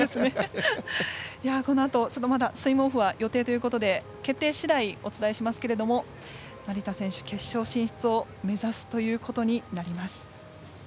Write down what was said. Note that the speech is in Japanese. このあと、スイムオフはまだ予定ということで決定次第、お伝えしますけれども成田選手、決勝進出を目指すということになります。